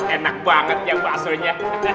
enak banget ya basuhnya